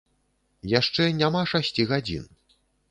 Яшчэ няма шасці гадзін.